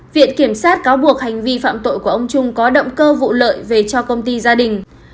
viện kiểm sát cáo buộc hành vi phạm tội của ông trung có động cơ vụ lợi về cho công ty gia đình